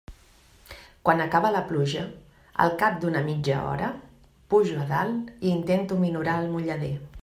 Quan acaba la pluja, al cap d'una mitja hora, pujo a dalt i intento minorar el mullader.